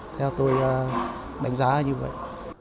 theo tôi đánh giá là như vậy